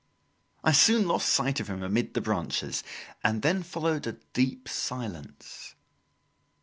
I soon lost sight of him amid the branches, and then followed a deep silence.